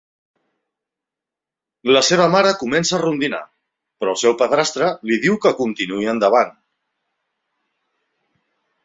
La seva mare comença a rondinar, però el seu padrastre li diu que continuï endavant.